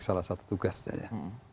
salah satu tugasnya ya